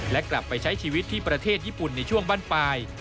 และกลับไปใช้ชีวิตที่ประเทศญี่ปุ่นในช่วงบ้านปลาย